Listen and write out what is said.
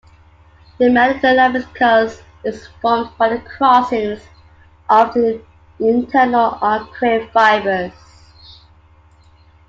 The medial lemniscus is formed by the crossings of the internal arcuate fibers.